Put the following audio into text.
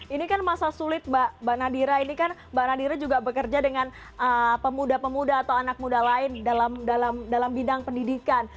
ini kan masa sulit mbak nadira ini kan mbak nadira juga bekerja dengan pemuda pemuda atau anak muda lain dalam bidang pendidikan